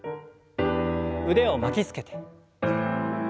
腕を巻きつけて。